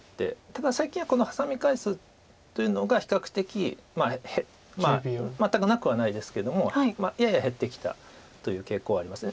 ただ最近はこのハサミ返すというのが比較的全くなくはないですけどやや減ってきたという傾向はあります。